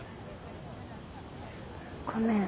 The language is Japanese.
ごめん。